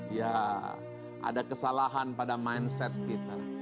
ya ada kesalahan pada mindset kita